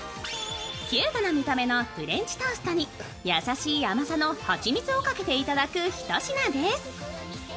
キュートな見た目のフレンチトーストに優しい甘さの蜂蜜をかけて頂くひと品です。